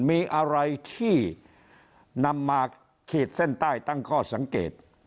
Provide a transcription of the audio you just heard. มีอะไรที่นำมาขีดเส้นใต้ตั้งข้อสังเกต